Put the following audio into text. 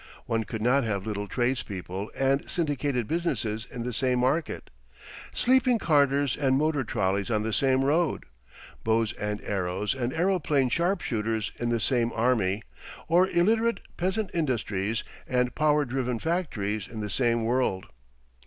One could not have little tradespeople and syndicated businesses in the same market, sleeping carters and motor trolleys on the same road, bows and arrows and aeroplane sharpshooters in the same army, or illiterate peasant industries and power driven factories in the same world.